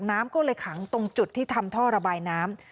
น้ำก็เลยขังตรงจุดที่ทำท่อระบายน้ำ